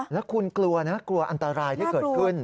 แล้วคุณกลัวนะกลัวอันตรายที่เกิดขึ้น